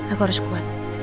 aku harus kuat